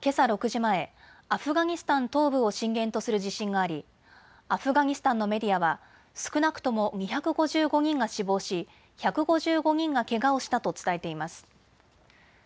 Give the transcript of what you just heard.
６時前、アフガニスタン東部を震源とする地震があり、アフガニスタンのメディアは少なくとも２５５人が死亡し１５５人がけがをしたと伝えています。